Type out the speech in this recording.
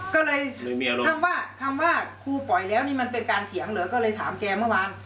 ก็เลยคำว่าคำว่าครูปล่อยแล้วนี่มันเป็นการเถียงเหรอก็เลยถามแกเมื่อวาน